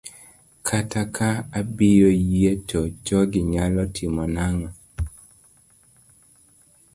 kata ka abiro yie to jogi nyalo timona ang'o?